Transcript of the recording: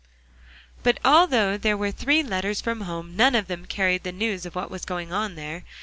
But although there were three letters from home, none of them carried the news of what was going on there.